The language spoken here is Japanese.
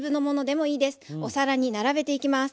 お皿に並べていきます。